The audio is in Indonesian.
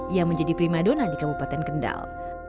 yang menjadi primadona di kabupaten kendal